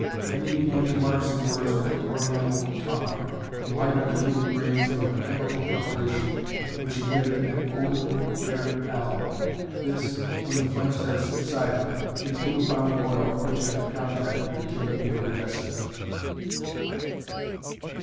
Then he began to mutter some words in an Oriental tongue, and lighted a few grains of a chemical preparation which emitted an odor of bitter aloë. This, when the flames had subsided, he threw upon the oil which at the contact became iridescent.